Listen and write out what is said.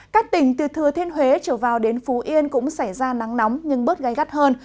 các tỉnh từ thừa thiên huế trở vào đến phú yên cũng xảy ra nắng nóng nhưng bớt gai gắt hơn